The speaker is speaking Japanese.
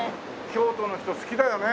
京都の人好きだよね